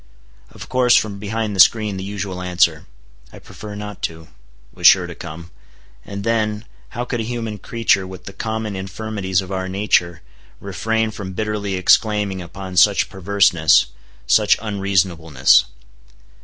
Of course, from behind the screen the usual answer, "I prefer not to," was sure to come; and then, how could a human creature with the common infirmities of our nature, refrain from bitterly exclaiming upon such perverseness—such unreasonableness.